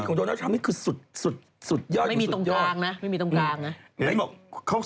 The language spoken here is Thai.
เขาเอากระด่ายเขาไม่ได้เอามูปลา